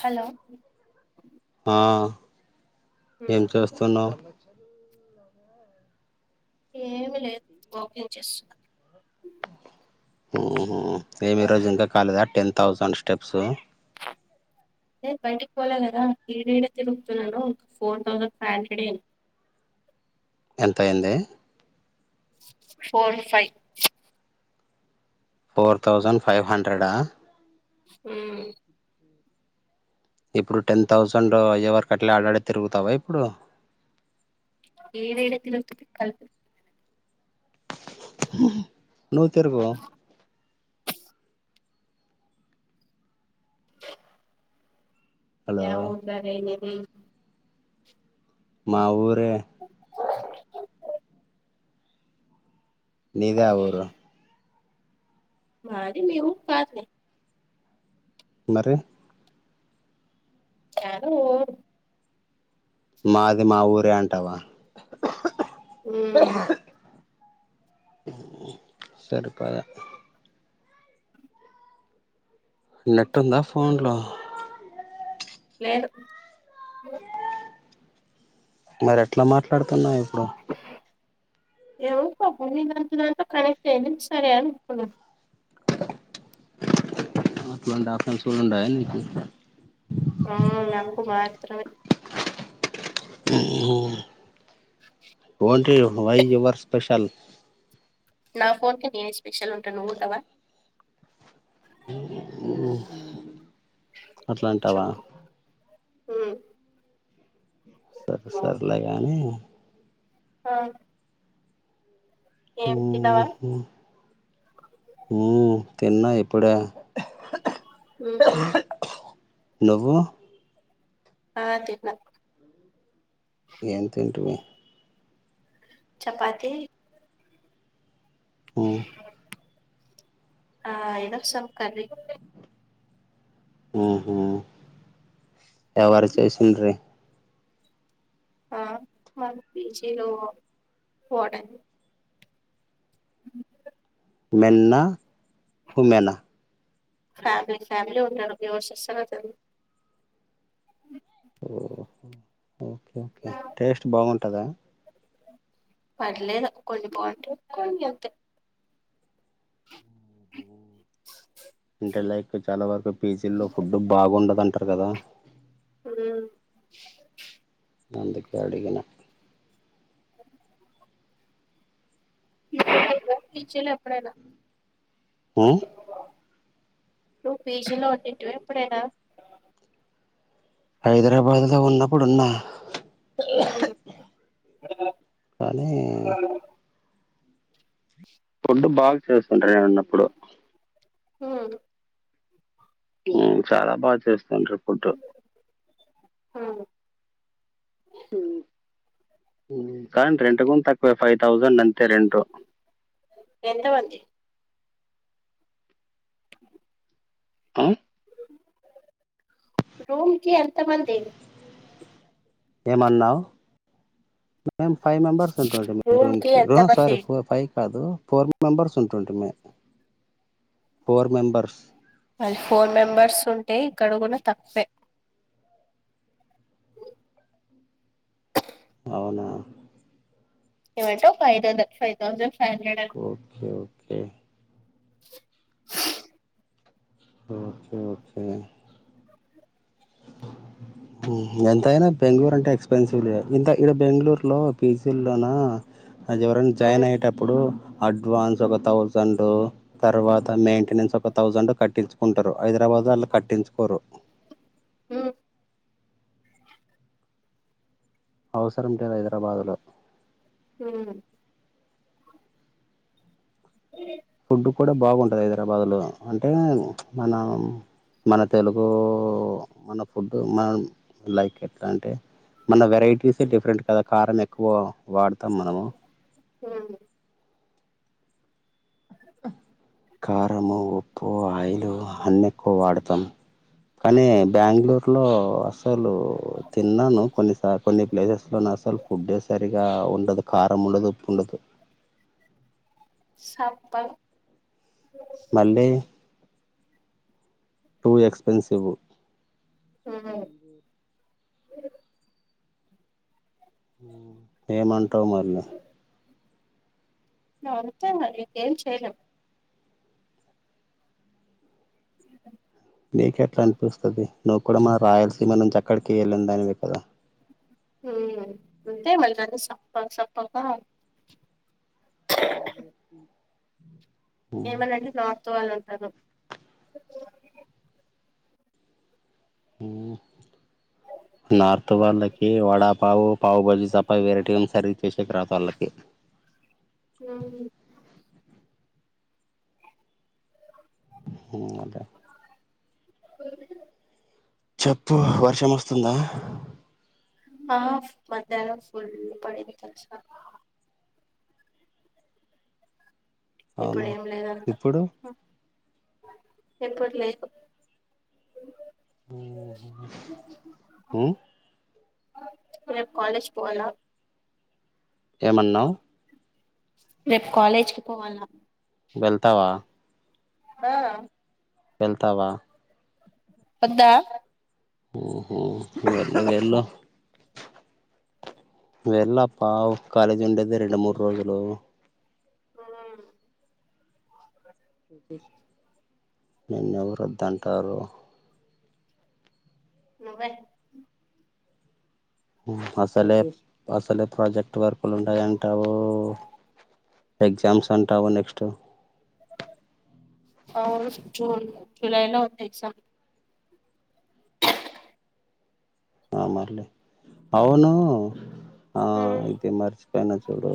Hello ఆ ఏం చేస్తున్నావు? ఏమి లేదు వాకింగ్ చేస్తున్న. ఉహు ఏమి ఈ రోజు ఇంకా కాలేదా టెన్ థౌసండ్ స్టెప్స్? నేను బయటికి పోలే కదా ఈడీడే తిరుగుతున్నాను, ఫోర్ థౌసండ్ ఫైవ్ హండ్రెడే టీవీ సాంగ్ ఎంత అయింది four five four thousand five హండ్రెడా ఉ ఇప్పుడు టెన్ థౌసండ్ అయ్యే ఎవరికు అట్లా ఆడాడే తిరుగుతావా ఇప్పుడు ఏడ ఏడ తిరుగుతుంటారు కలిసి నువ్వు తిరుగు హలో ఏ ఊరు తిరిగేది మా ఊరే పిగ్గు సౌండ్ నీదా ఏ ఊరు మాది మీ ఊరు కాదులే మరి ఏదో ఊరు మాది మా ఊరే అంటావా ఉ సరే పద నెట్ ఉందా ఫోన్లో లేదు మరి ఎట్లా మాట్లాడుతువ్ ఇప్పుడు ఎవరిదో ఫోన్లో కనెక్ట్ అయ్యింది సరే అనుకున్న అట్లాంటి ఆప్షన్స్ కూడా ఉంటాయండి ఉ నాకు మాత్రమే ఉ ఒంటి వై వర్ స్పెషల్ నా ఫోన్ కి నేనే స్పెషల్ ఉంటాను నువ్వు ఉండవా ఉ హు అట్లాంటావా ఉ సరే సరేలే గాని ఆ ఉ ఏం తిన్నావా హు తిన్న ఇప్పుడే ఉ హు నువ్వు ఆ తిన్న ఏం తింటివి చపాతి ఉ ఆ ఏదో సబ్ కర్రీ ఉ హు ఎవరు చేసిండ్రే ఆ పీజీలు పోవడానికి ఏం కర్రీ మేలా ఫిమేలా ఫ్యామిలీ ఫ్యామిలీ ఉన్నారు ఎవరు చేస్తారు అసలు ఓహో ఓకే ఓకే టేస్ట్ బాగుంటదా పర్లేదు కొన్ని బాగుంటాయి కొన్ని అంతే అంటే లైక్ చాలా వరకు పీజి లో ఫుడ్ బాగుండదు అంటారు కదా మ్ అందుకే అడిగిన పీజీలో ఎప్పుడైనా మ్ నువ్వు పీజీ లో ఉన్నింటివా ఎప్పుడైనా హైదరాబాద్ లో ఉన్నప్పుడు ఉన్నా మ్మ్ కానీ ప్రుడ్డు బాగా చేస్తుండ్రి నేనున్నప్పుడు అవును చాలా బాగా చేస్తుండ్రి ఫుడ్డు అవును కానీ రెంట్ గుణ తక్కువే ఫైవ్ థౌజండ్ అన్ ఎంత మంది ఆ రోమ్ కి ఎంత మంది ఏమన్నావ్ మేమ్ ఫైవ్ మెంబర్స్ ఉంటాంటిమి రూమ్ కి లా సారి ఫోర్ ఫైవ్ కాదు ఫోర్ మెంబర్స్ ఉంటుంటిమి ఫోర్ మెంబర్స్. మళ్ళీ ఫోర్ మెంబర్స్ ఉంటే ఇక్కడ గున తక్కువె అవునా లేదంటే five ten five thousand okay okay okay okay మ్ ఎంతయినా బెంగళూరు అంటే ఎక్స్పెన్సివ్ లే ఇంత ఈడ బెంగళూరులో పీజీల్లోన అది ఎవరనా జాయిన్ మ్మ్ అయ్యేటప్పుడు అడ్వాన్స్ ఒక థౌజ జండ్ తర్వాత మెయింటెనెన్స్ ఒక థౌసండ్ కట్టిచ్చుకుంటారు హైదరాబాద్ వాళ్ళు కట్టించుకోరు మ్మ్ అవసరం లేదు హైదరాబాదులో మ్ ఇ ఫుడ్ కూడా బాగుంటది హైదరాబాద్ లో అంటే మనం మన తెలుగు మన ఫుడ్ మనం లైక్ ఎట్లా అంటే మన వెరైటీసే డిఫరెంట్ కదా కారం ఎక్కువ వాడతాం మనము మ్ కారము ఉప్పు ఆయిలు అన్ని ఎక్కువ వాడతాం కానీ బెంగళూరు లో అసలు తిన్నాను కొన్ని సార్ కొన్ని ప్లేసెస్ లోన అసలు ఫుడ్డే సరిగా ఉండదు కారం ఉండదు ఉప్పు ఉండదు. సప్పగ మళ్ళీ టూ ఎక్స్పెన్సివ్ మ్మ్ ఏమంటావు మల్ల ఆ అంతే మరి ఏం చేయలేం నీకెట్లా అనిపిస్తది నువ్వు కూడా మా రాయలసీమ నుంచి అక్కడికి వెళ్ళింది దాని వే కదా ఉమ్ అంతే మళ్ద సప్ప సప్పకా ఏమన్నా అంటే నార్త్ వాళ్ళు ఉంటారు ఊమ్ నార్త్ వాళ్ళకి వడాపావు పావు బజ్జి తపా వేరైటి ఏ సరిగ్గా చేసేది రాదు వాళ్ళకి అవును ఊమ్ అదే [unintelligible] చెప్పు వర్షం వస్తుందా ఆ మధ్యాహ్నాం ఫుల్ పడింది తెల్సా ఇప్పుడు అవునా ఏం లేదంతా ఇప్పుడు ఇప్పుడు లేదు ఉమ్ రేప్ కాలేజీకి పోవాలా ఏమన్నావ్ రేపు కాలేజ్ కి పోవాలా వెళ్తావా ఆడా వెళ్తావా వద్దా ఊహు వద్దులే వెళ్ళు వెళ్ళుప్ప కాలేజీ ఉండేది రెండు మూడు రోజులు ఉమ్ నీన్ను ఎవరు వద్దంటారు నువ్వే అసలే అసలే ప్రాజెక్ట్ వర్కు లు ఉంటాయి అంటావు ఎగ్జామ్స్ అంటావు నెక్స్ట్ అవును జూన్ జులైలో ఉంది ఎగ్జామ్ ఆ మరిలే అవును ఆ ఉమ్. ఇది మర్చిపోయినా ఇప్పుడు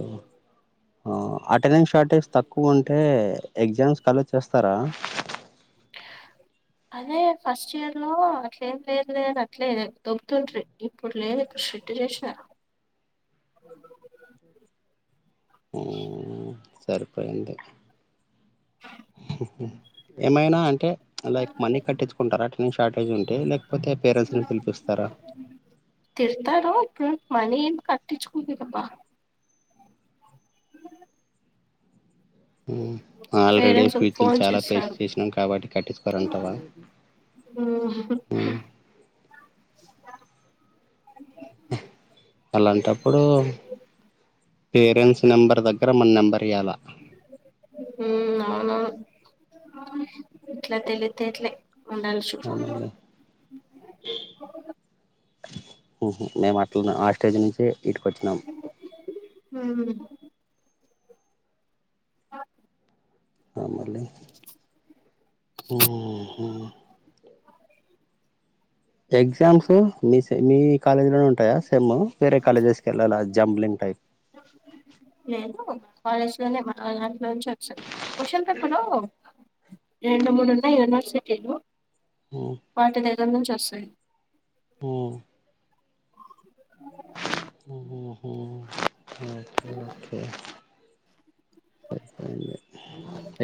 ఆ అటెండెన్స్ షార్టేజ్ తక్కువ ఉంటే ఎగ్జామ్స్ ఎల్లో చేస్తారా అదే ఫస్ట్ ఇయర్ లో అట్లేం లేదు లే గాని అట్లే దొబ్బతుంట్రి ఇప్పుడు లేదు చిట్టిలు వేసిన్నారా అమ్ ఉమ్ సరిపోయింది. ఏమైనా అంటే లైక్ మనీ కట్టించుకుంటారా అటెండెన్స్ షార్టేజ్ ఉంటే లేక కపోతే పేరెంట్స్ నీ పిలిపిస్తారా తిడతారు ఇప్పుడు మనీ ఎం కటించ్చు కోలేరబ్బ ఉమ్ ఆల్రెడీ పేరెంట్స్ ఫ్యూచింగ్ ఫోన్ చాలా పేస్ చేస్తారు చేసినాం కాబట్టి కట్టించు కోరంటావా ఓ అ అలాంటప్పుడు పేరెంట్స్ అందరి దగ్గర మన నెంబర్ ఇయ్యాలా మ్మ్ అవునవును ఇట్లా తెలివితేట్లే ఉండచ్చు మళ్ళీ ఉహు మేము అట్లానే ఆ స్టేజ్ నుంచే ఇటికి వచ్చినాం మ్మ్ ఆ [inaudible] ఆ మళ్ళీ ఆహ ఎగ్జామ్స్ మీస్ మీ మీ కాలేజీలోనే ఉంటాయా సెమ్ వేరే కాలేజెస్కి వెళ్ళాలా జంబ్లింగ్ టైప్ నేను కాలేజ్ లోనే మన దాంట్లో నుంచే వచ్చాను క్వశ్చన్ పేపరు రెండు మూడు ఉన్నాయి యూనివర్సిటీలు ఎక్కడ నుంచి వస్తాయి ఆ ఆహ ఓకే ఓకే సరే సరే అండి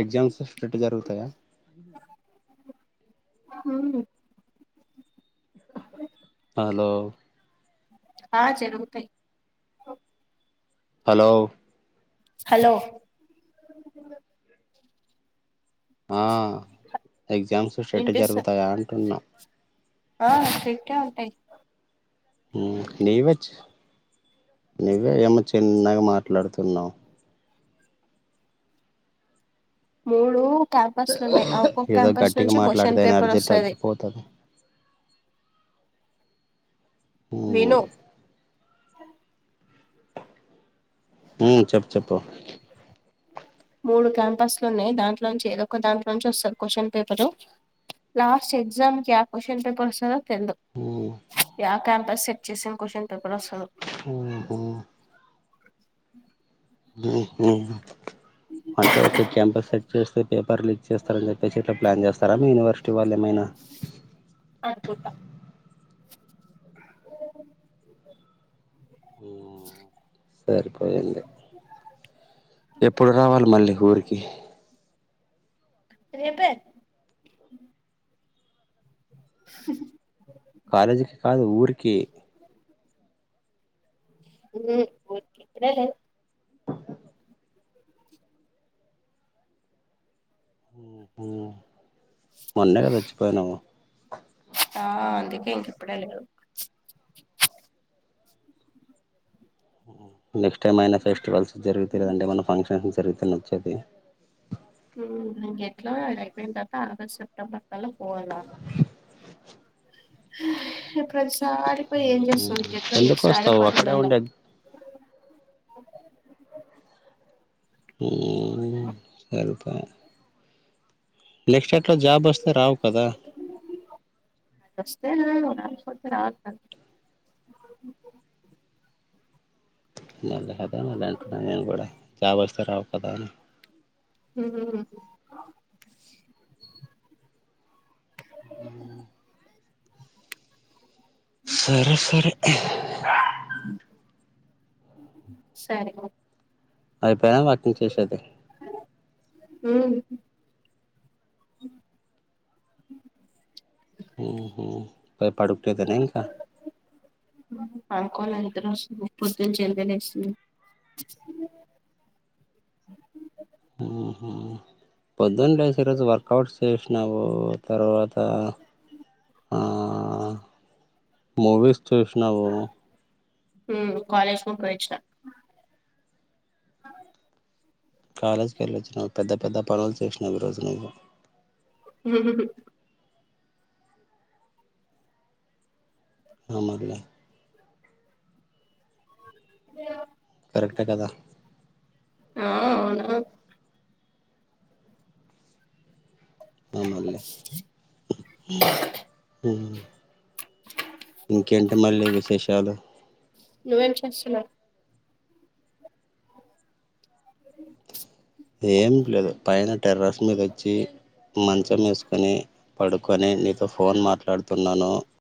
ఎగ్జామ్స్ స్టిట్ జరుగుతాయా అవును నాదేత్ హలో హా జరుతాయి హలో హలో ఆ ఎగ్జామ్స్ స్ట్రిట్ వినిపిస్తా జరుగుతాయా అంటున్నా ఆ స్ట్రిట్టే ఉంటాయి నీవే నువ్వే ఏమో చిన్నగా మాట్లాడుతున్నావు మూడు క్యాంపస్ లు ఉన్నాయి ఆ ఒక్కొక్క ఏదో క్యాంపస్ గట్టిగా నుంచి క్వశ్చన్ మాట్లాడితే పేపర్ ఎనర్జీ వస్తాది తగ్గిపోతది ఉనా విను మ్మ్ చెప్పు చెప్పు మూడు క్యాంపస్లు ఉన్నాయి దాంట్లో నుంచి ఏదో ఒక దాంట్లో నుంచి వస్తాది క్వశ్చన్ పేపరు లాస్ట్ ఎగ్జామ్ కీ యా క్వశ్చన్ పేపర్స్ సొ తెల్దు ఆ క్యాంపస్ సెట్ చేసిన క్వశ్చన్ పేపర్ వస్తాదో ఉనా ఉహు అంటే ఒకే క్యాంపస్ సెట్ చేస్తే పేపర్లు లిక్ చేస్తారని చెప్పెసి ఇట్లా ప్లాన్ చేస్తారా యూనివర్ అనుకుంటా సరిపోయింది ఎప్పుడు రావాలి మళ్ళీ ఊరికి రేపే కాలేజ్ కి కాదు ఊరికి ఇప్పుడే ను ఆ మొన్నే కదా వచ్చిపోయినాము ఏంటి ఇప్పుడేనా నెక్స్ట్ ఏమైనా ఫెస్టివల్స్ జరుగుతాయి కదండి ఏమన్న ఫంక్షన్స్ పెరుగుతేనే వచ్చెది ఉమ్ ఇంక ఎట్లా అది అయిపోయిన్తరత ఆగస్ట్ సెప్టెంబర్ కల్ల పోవల్ల సా ప్రతిసారి పోయి ఏం చేస్తవ్ ఎక్కడికి ఎందుకు ప్రతిసారే వస్తావు పార్టీ అక్కడే కెల్ల ఉండే [unintelligible] ఊమ్ ఎల్త నేక్సలేట్లో జాబ్ వస్తే రావు కదా [inaudible] కొడితే రాకు మరి మ కదా మళ్ళ అనుకున్నాను నేను కూడ జాబ్ వస్తే రావు కదా అని ఊమ్ ఆ సరె సరే సరె పొ అయిపోనా వా కుతస్తదే [unintelligible] ఉమ్ ఉహు పై పడుకెదనే ఇంక [unintelligible] పడ్కోల నిద్రస్తుంది పొద్దునుంచి నెక్స్ట్ [unintelligible] ఊహు పొద్దున్నలేసి ఈరోజు వర్కౌట్ చేశినావు తర్వాత ఆ మూవీస్ చూశినావు ఉమ్ కాలేజ్ కు పోయి అచ్చిన కాలేజీకి వెళ్ళొచ్చినవ్ పెద్ద పెద్ద పనులు చేసినవ్ ఈ రోజు నువ్వు హ అ మల్ల ఏ కరెక్టే కదా ఆ అవున ఆ మల్ల ఊమ్ ఉమ్ ఇంకేంటి మళ్ళీ విశేషాలు నువ్వేం చేస్తున్నావ్ ఏం లేదు పైన టెర్రస్ మీద అచ్చి మంచం ఏసుకొని పడుకొని నీతో ఫోన్ మాట్లాడుతున్నాను